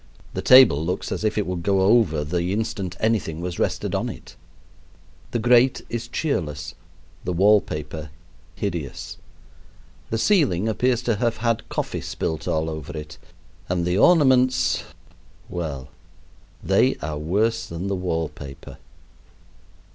The table looks as if it would go over the instant anything was rested on it. The grate is cheerless, the wall paper hideous. The ceiling appears to have had coffee spilt all over it, and the ornaments well, they are worse than the wallpaper.